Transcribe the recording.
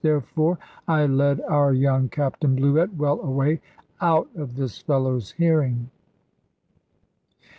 Therefore I led our young Captain Bluett well away out of this fellow's hearing.